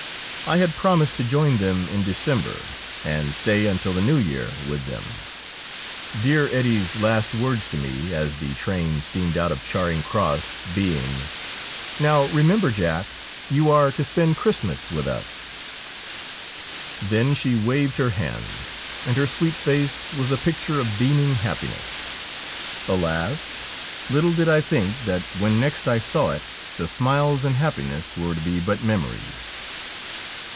I had promised to join them in December, and stay until the New Year with THE SPECTRE OF BARROCHAN 4 i them, dear Ettie's last words to me, as the train steamed out of Charing Cross, being :' Now remember, Jack, you are to spend Christmas with us.' Then she waved her hand, and her sweet face was a picture of beaming happiness. Alas ! little did I think that when next I saw it the smiles and happiness were to be but memories.